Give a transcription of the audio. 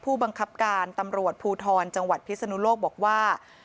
ผู้บังคับการตำรวจภูทรจังหวัดพิศนุโลกบอกว่า